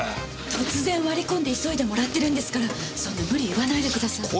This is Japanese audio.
突然割りこんで急いでもらってるんですからそんな無理言わないでください。